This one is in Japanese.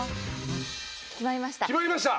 決まりました？